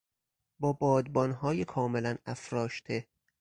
با بادبانهای کاملا افراشته